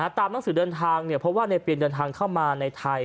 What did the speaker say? ตามหนังสือเดินทางเพราะว่าในปีนเดินทางเข้ามาในไทย